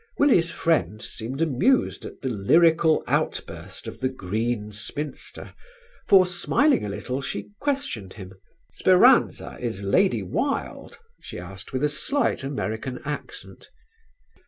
Willie's friend seemed amused at the lyrical outburst of the green spinster, for smiling a little she questioned him: "'Speranza' is Lady Wilde?" she asked with a slight American accent.